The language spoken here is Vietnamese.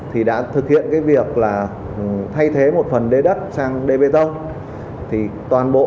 thì đã thực hiện việc thay thế một phần đê đất sang đê bê tông